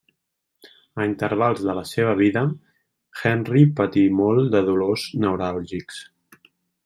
A intervals de la seva vida, Henry patí molt de dolors neuràlgics.